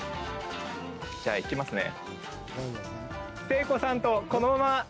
じゃあ、いきますね。